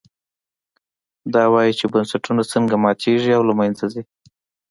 دا وایي چې بنسټونه څنګه ماتېږي او له منځه ځي.